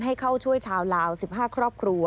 ให้เข้าช่วยชาวลาว๑๕ครอบครัว